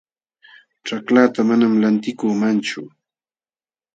Ćhaklaata manam lantikuumanchu